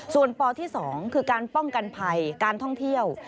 ส่วนปที่๒คือการป้องกันภัยการท่องเที่ยว